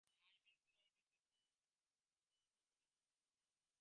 Pilots are taught that they should instead rely on their flight instruments.